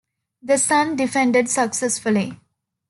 The son defended successfully.